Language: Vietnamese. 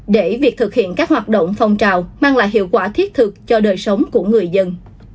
để việc thực hiện các hoạt động phong trào mang lại hiệu quả thiết thực cho đời sống của người dân